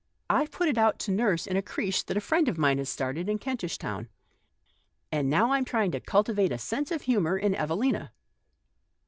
I've put it out to nurse in a creche that a friend of mine has started in Kentish Town. And now I'm tiying to cultivate a sense of humour in Evelina."